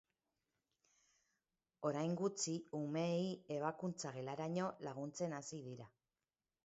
Orain gutxi, umeei ebakuntza gelaraino laguntzen hasi dira.